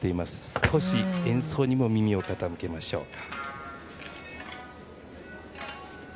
少し演奏にも耳を傾けましょうか。